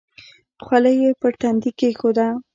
خولۍ یې پر تندي کېښوده.